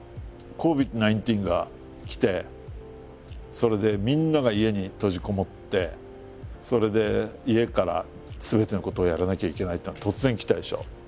それでみんなが家に閉じこもってそれで家からすべてのことをやらなきゃいけないっていうのが突然来たでしょ。